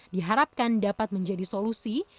diharapkan dapat menjadi solusi